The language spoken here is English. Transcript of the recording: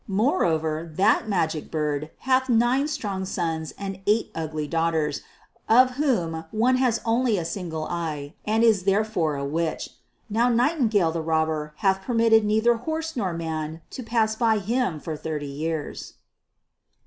Moreover, that Magic Bird hath nine strong sons and eight ugly daughters, of whom one has only a single eye, and is therefore a witch. Now Nightingale the Robber hath permitted neither horse nor man to pass by him for thirty years."